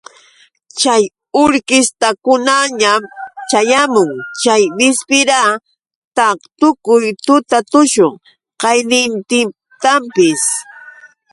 Chay urkistakunaña ćhayamun chay bispira ta tukuy tuta tushun qaynintintapis.